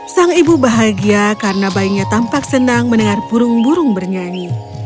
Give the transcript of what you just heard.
sang ibu bahagia karena bayinya tampak senang mendengar burung burung bernyanyi